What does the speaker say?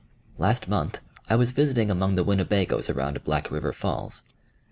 Last month I was visiting among the Winnebagoes around Black River Falls.